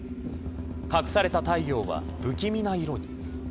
隠された太陽は不気味な色に。